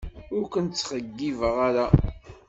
Ur ken-ttxeyyibeɣ ara.